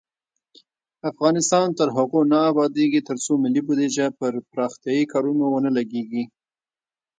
افغانستان تر هغو نه ابادیږي، ترڅو ملي بودیجه پر پراختیايي کارونو ونه لګیږي.